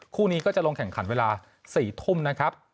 คู่นี้ก็จะลงแข่งขันเวลา๔ทุ่มนะครับ